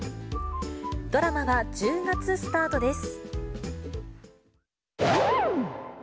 ドラマは１０月スタートです。